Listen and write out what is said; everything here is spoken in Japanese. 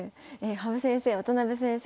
羽生先生渡辺先生